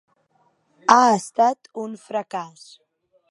Ha estat un fracàs.